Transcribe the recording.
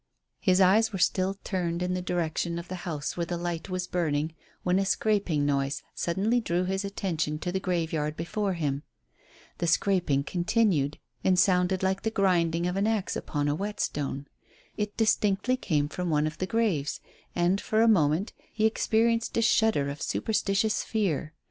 His eyes were still turned in the direction of the house where the light was burning when a scraping noise suddenly drew his attention to the graveyard before him. The scraping continued, and sounded like the grinding of an axe upon a whetstone. It distinctly came from one of the graves, and, for a moment, he experienced a shudder of superstitious fear.